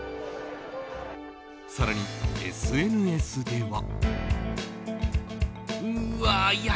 更に、ＳＮＳでは。